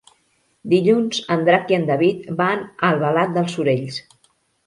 Dilluns en Drac i en David van a Albalat dels Sorells.